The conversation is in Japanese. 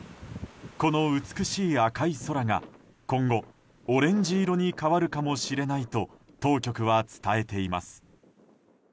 この美しい赤い空が今後、オレンジ色に変わるかもしれないと当局は伝えています。